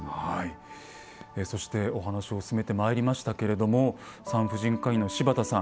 そしてお話を進めてまいりましたけれども産婦人科医の柴田さん